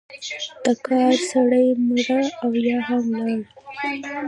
د کار سړی مړه او یا هم ولاړل.